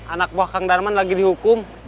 anak buah kang darman lagi dihukum